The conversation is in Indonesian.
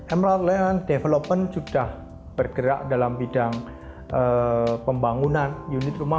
emerald land development sudah bergerak dalam bidang pembangunan unit rumah